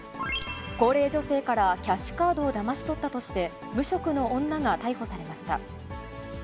高齢女性からキャッシュカードをだまし取ったとして無職の女が逮捕されました。